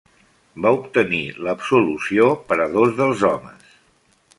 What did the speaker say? Va obtenir l'absolució per a dos dels homes.